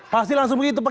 pasti langsung begitu pak